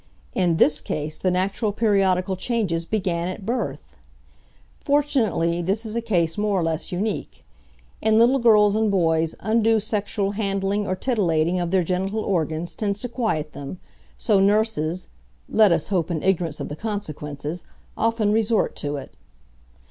In this case the natural periodical changes began at birth! Fortunately, this is a case more or less unique. In little girls and boys undue sexual handling or titillating of their genital organs tends to quiet them, so nurses (let us hope in ignorance of the consequences!) often resort to it.